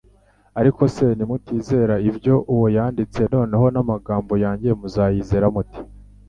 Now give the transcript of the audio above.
Ariko se nimutizera ibyo uwo yanditse noneho n'amagambo yanjye muzayizera mute? "